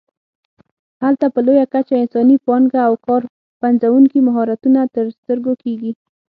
هلته په لویه کچه انساني پانګه او کار پنځوونکي مهارتونه تر سترګو کېږي.